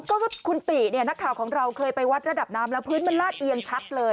ก็คุณติเนี่ยนักข่าวของเราเคยไปวัดระดับน้ำแล้วพื้นมันลาดเอียงชัดเลย